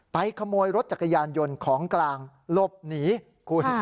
ขโมยรถจักรยานยนต์ของกลางหลบหนีคุณ